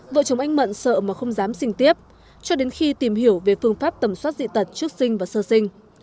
vợ chồng anh mận sợ mà không dám sinh tiếp cho đến khi tìm hiểu về phương pháp tầm soát dị tật trước sinh và sơ sinh